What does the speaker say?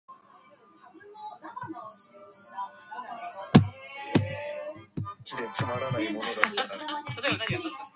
Prismo Graphics hired Dave Howell of Pablo Media to write the software's code.